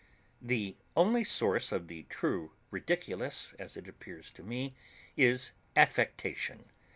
The only source of the true Ridiculous (as it appears to me) is affectation.